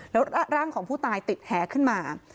แล้วร่างของผู้ตายติดแหขึ้นมา